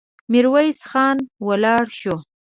ميرويس خان ولاړ شو.